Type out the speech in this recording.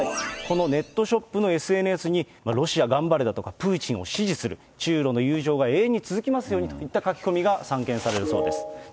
このネットショップのＳＮＳに、ロシア頑張れだとか、プーチンを支持する、中ロの友情が永遠に続きますようにといった書き込みが散見されるそうです。